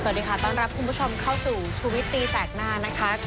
สวัสดีค่ะต้อนรับคุณผู้ชมเข้าสู่ชูวิตตีแสกหน้านะคะ